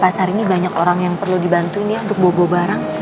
pasar ini banyak orang yang perlu dibantuin ya untuk bawa bawa barang